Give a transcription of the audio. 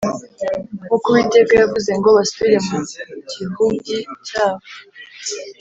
nk’uko Uwiteka yavuze ngo basubire mu gihugi cyabo